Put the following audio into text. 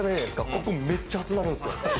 ここ、めっちゃ熱なるんすよ。